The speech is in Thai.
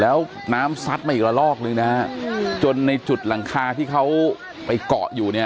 แล้วน้ำซัดมาอีกละลอกนึงนะฮะจนในจุดหลังคาที่เขาไปเกาะอยู่เนี่ย